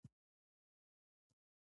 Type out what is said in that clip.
په دې لړ کې اوهایو کانال جوړ شو.